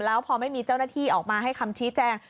แล้วพอไม่มีเจ้าหน้าที่ออกมาให้คำชี้แจง